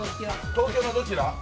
東京のどちら？